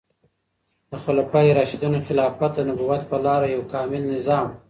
د خلفای راشدینو خلافت د نبوت په لاره یو کامل نظام و.